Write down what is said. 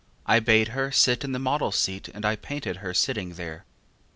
I bade her sit in the model's seat And I painted her sitting there.